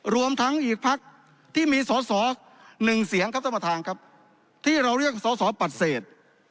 รวมทั้งอีกพักที่มีสอดสอหนึ่งเสียงครับสมทางครับที่เราเรียกสอดสอปัดเศษ